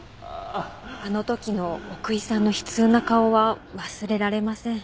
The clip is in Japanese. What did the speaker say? あの時の奥居さんの悲痛な顔は忘れられません。